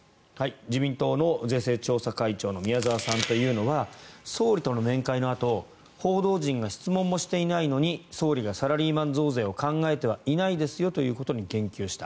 自民党の税制調査会長の宮沢さんというのは総理との面会のあと報道陣が質問もしていないのに総理がサラリーマン増税を考えてはないですよということに言及した。